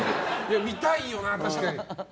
見たいよな、確かに。